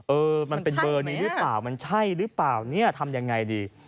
เออมันเป็นเบอร์นี้หรือเปล่ามันใช่หรือเปล่าเนี่ยทำยังไงดี